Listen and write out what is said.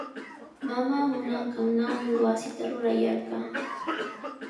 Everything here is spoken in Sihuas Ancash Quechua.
Mamaa munanqannawmi wasita rurayarqaa.